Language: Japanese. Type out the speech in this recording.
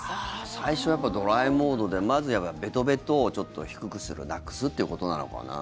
最初はドライモードでまずベトベトをちょっと低くするなくすっていうことなのかな。